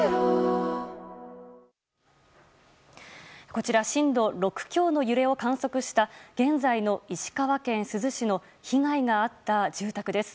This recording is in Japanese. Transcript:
こちら震度６強の揺れを観測した現在の石川県珠洲市の被害があった住宅です。